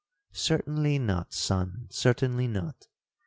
'—'Certainly not, son, certainly not.